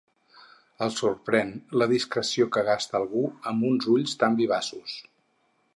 El sorprèn la discreció que gasta algú amb uns ulls tan vivaços.